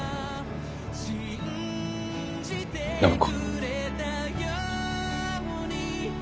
暢子。